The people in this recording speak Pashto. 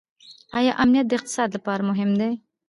آیا امنیت د اقتصاد لپاره مهم دی؟